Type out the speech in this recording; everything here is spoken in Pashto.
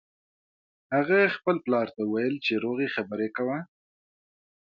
هغه خپل پلار ته وویل چې روغې خبرې کوه